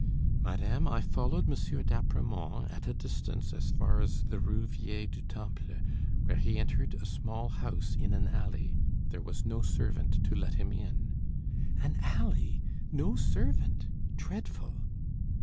"Madame, I followed M. d'Apremont, at a distance, as far as the Rue Vieille du Temple, where he entered a small house, in an alley. There was no servant to let him in." "An alley! No servant! Dreadful!"